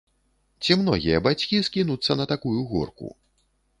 Ці многія бацькі скінуцца на такую горку?